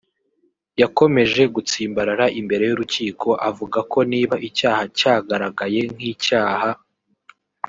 yakomeje gutsimbarara imbere y’urukiko avuga ko niba icyaha cyagaragaye nk’icyaha